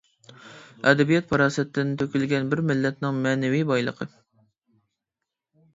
ئەدەبىيات پاراسەتتىن تۆكۈلگەن، بىر مىللەتنىڭ مەنىۋىيەت بايلىقى.